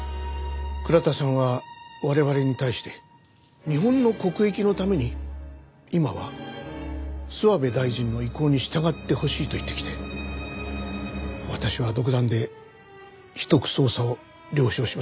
倉田さんは我々に対して日本の国益のために今は諏訪部大臣の意向に従ってほしいと言ってきて私は独断で秘匿捜査を了承しました。